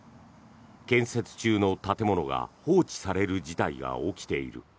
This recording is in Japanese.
建設中の建物が放置される事態が起きている。